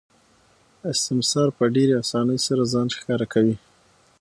استثمار په ډېرې اسانۍ سره ځان ښکاره کوي